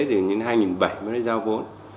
thì đến hai nghìn bảy mới giao vốn